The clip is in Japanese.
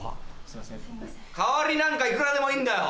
代わりなんかいくらでもいんだよ。